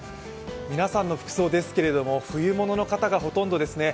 皆さんの服装ですけど、冬物の方がほとんどですね。